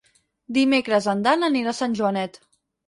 Dimecres en Dan anirà a Sant Joanet.